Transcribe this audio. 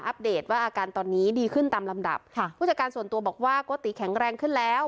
เดตว่าอาการตอนนี้ดีขึ้นตามลำดับค่ะผู้จัดการส่วนตัวบอกว่าโกติแข็งแรงขึ้นแล้ว